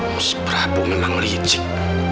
mas prabu memang licik